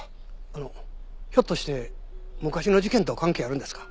あのひょっとして昔の事件と関係あるんですか？